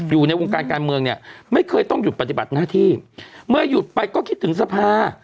อยู่ในวงการการเมืองเนี่ยไม่เคยต้องหยุดปฏิบัติหน้าที่เมื่อหยุดไปก็คิดถึงสภา